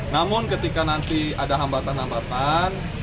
namun ketika nanti ada hambatan hambatan